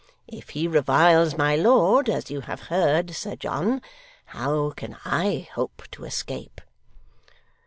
If he reviles my lord, as you have heard, Sir John, how can I hope to escape?